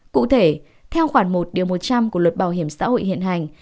cụ thể theo khoản một điều một trăm linh của luật bảo hiểm xã hội hiện hành